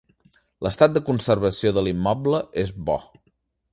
L'estat de conservació de l'immoble és bo.